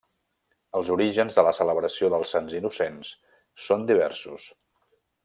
Els orígens de la celebració dels Sants Innocents són diversos.